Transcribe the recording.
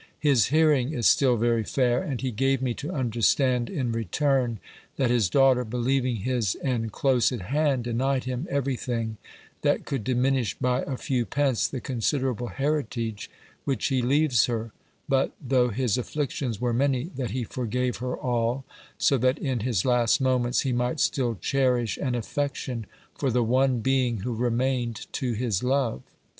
His hearing is still very fair, and he gave me to understand in return that his daughter, believing his end close at hand, denied him every thing that could diminish by a few pence the considerable heritage which he leaves her, but, though his afflictions were many, that he forgave her all, so that in his last moments he might still cherish an affection for the one being who remained to his love.